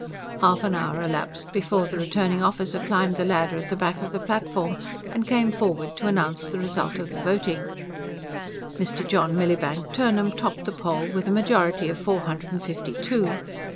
Half an hour elapsed before the returning officer climbed the ladder at the back of the platform, and came forward to announce the result of the voting: Mr. John Millibank Turnham topped the poll with a majority of four hundred and fifty two.